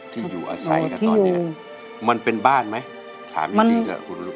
ที่อยู่อาศัยกันตอนเนี้ยที่อยู่มันเป็นบ้านไหมถามจริงจริง